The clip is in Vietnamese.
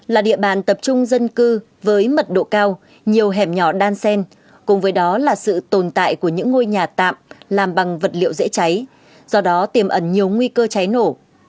là địa bàn tập trung dân cư với mật độ cao nhiều hẻm nhỏ đan sen cùng với đó là sự tồn tại của những ngôi nhà tạm làm bằng vật liệu dễ cháy do đó tiềm ẩn nhiều nguy cơ cháy nổ